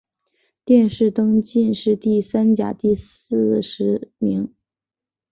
殿试登进士第三甲第四十名。